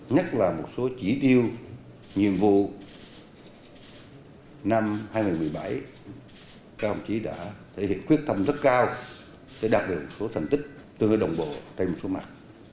nhất là một số chỉ điêu nhiệm vụ năm hai nghìn một mươi bảy các đồng chí đã thể hiện quyết tâm rất cao để đạt được một số thành tích từ đồng bộ trên một số mặt